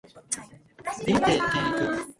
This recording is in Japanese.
岩手県へ行く